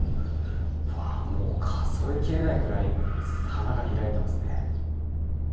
うわー、もう数えきれないぐらい花が開いてますね。